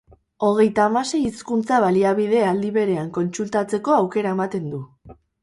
Hogeita hamasei hizkuntza-baliabide aldi berean kontsultatzeko aukera ematen du.